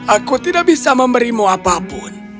aku tidak bisa memberimu apapun